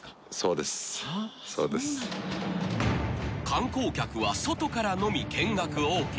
［観光客は外からのみ見学ＯＫ］